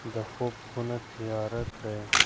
د خوب خونه تیاره کړئ.